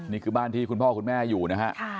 นี่คือบ้านที่คุณพ่อคุณแม่อยู่นะฮะ